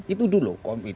itu dulu komit